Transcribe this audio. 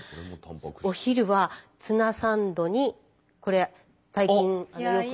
お昼はツナサンドにこれ最近よく。